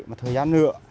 và thời gian nữa